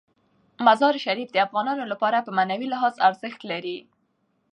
مزارشریف د افغانانو لپاره په معنوي لحاظ ارزښت لري.